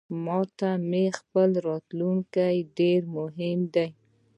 ماته مې خپل راتلونکې ډیرمهم دی